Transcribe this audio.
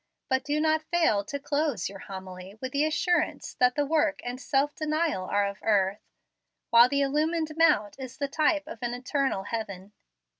But do not fail to close your homily with the assurance that the work and self denial are of earth, while the illumined mount is the type of an eternal heaven.